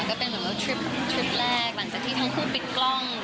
ก็เป็นแบบว่าทริปแรกกันที่ทั้งผู้ปิดกล้อง